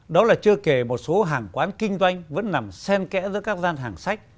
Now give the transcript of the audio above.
đó là chưa kể một số hàng quán kinh doanh vẫn nằm sen kẽ giữa các gian hàng sách